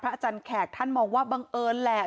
อาจารย์แขกท่านมองว่าบังเอิญแหละ